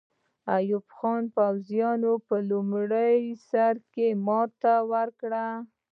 د ایوب خان پوځونو په لومړي سر کې ماته وکړه.